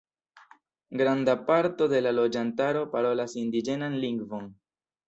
Granda parto de la loĝantaro parolas indiĝenan lingvon.